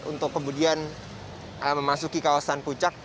untuk kemudian memasuki kawasan puncak